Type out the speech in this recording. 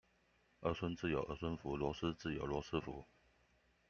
兒孫自有兒孫福，螺絲自有羅斯福